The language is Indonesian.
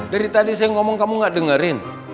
dari tadi saya ngomong kamu gak dengerin